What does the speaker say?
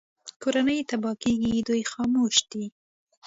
کورنۍ تباه کېږي دوی خاموش دي